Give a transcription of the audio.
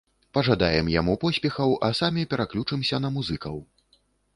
Пажадаем яму поспехаў, а самі пераключымся на музыкаў.